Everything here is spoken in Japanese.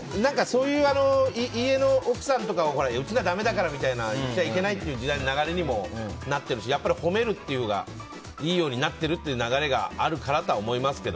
そういう家の奥さんとかよそじゃだめだからって言っちゃいけないって時代の流れにもなってるしやっぱり褒めるっていうほうがいいようになっているという流れがあるからだとは思います。